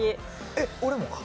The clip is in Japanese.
えっ、俺もか？